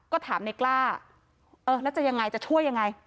ก็ถามในกล้าเออแล้วจะยังไงจะช่วยยังไง